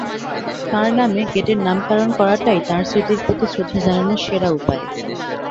তাঁর নামে গেটের নামকরণ করাটাই তাঁর স্মৃতির প্রতি শ্রদ্ধা জানানোর সেরা উপায়।